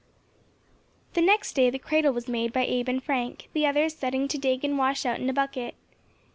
The next day the cradle was made by Abe and Frank, the others setting to to dig and wash out in a bucket.